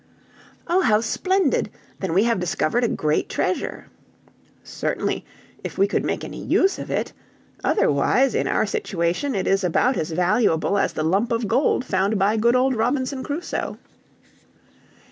"Oh, how splendid! Then we have discovered a great treasure!" "Certainly, if we could make any use of it; otherwise, in our situation, it is about as valuable as the lump of gold found by good old Robinson Crusoe."